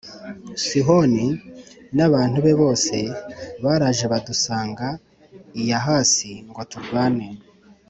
Sihoni n’abantu be bose baraje badusanga i Yahasi ngo turwane,